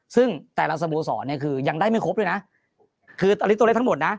ซึ่งแต่ละสโมสรเนี่ยคือยังได้ไม่ครบด้วยนะคือตอนนี้ตัวเลขทั้งหมดนะ